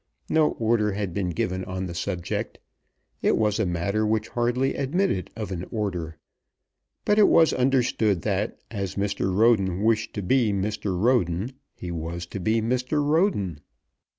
No order had been given on the subject. It was a matter which hardly admitted of an order. But it was understood that as Mr. Roden wished to be Mr. Roden, he was to be Mr. Roden.